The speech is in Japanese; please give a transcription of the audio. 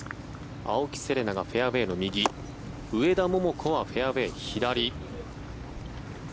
青木瀬令奈がフェアウェーの右上田桃子はフェアウェー左。